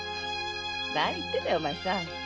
何言ってんだよお前さん。